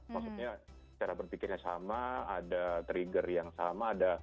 maksudnya cara berpikirnya sama ada trigger yang sama